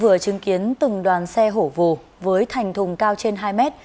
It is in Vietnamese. giao thông vừa chứng kiến từng đoàn xe hổ vồ với thành thùng cao trên hai mét